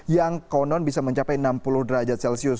yang konon bisa mencapai enam puluh derajat celcius